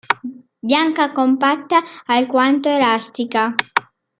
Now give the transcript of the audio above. Bianca, compatta, alquanto elastica.